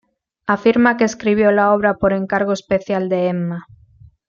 Afirma que escribió la obra por encargo especial de Emma.